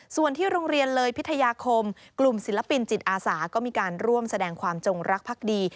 ส่วนที่โรงเรียนเลยพิทยาคมกลุ่มศิลปินจิตอาสาก็มีการร่วมแสดงความจงรักภักดี